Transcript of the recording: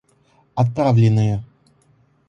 Отправленные